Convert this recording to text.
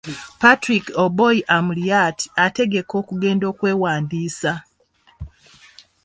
Patrick Oboi Amuriat ategeka okugenda okwewandiisa.